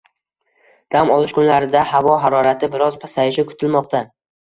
Dam olish kunlarida havo harorati biroz pasayishi kutilmoqda